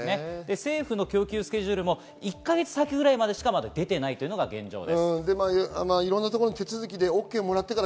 政府の供給スケジュールも１か月先ぐらいまでしか出ていないのが現状です。